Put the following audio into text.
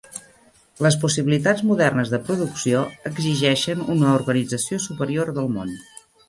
Les possibilitats modernes de producció exigeixen una organització superior del món.